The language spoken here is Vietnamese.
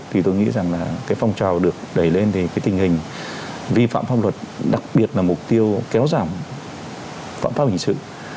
thì tôi nghĩ rằng là cái phong trào được đẩy lên thì cái tình hình vi phạm pháp luật đặc biệt là mục tiêu kéo giảm phạm pháp hình sự